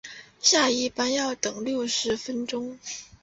下一班要等六十分钟